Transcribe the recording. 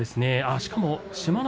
しかも志摩ノ